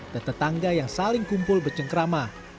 dan tetangga yang saling kumpul bercengkrama